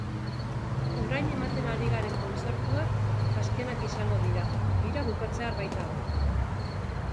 Orain ematen ari garen kontzertuak azkenak izango dira, bira bukatzear baitago.